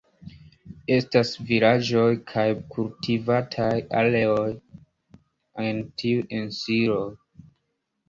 Estas vilaĝoj kaj kultivataj areoj en tiuj insuloj.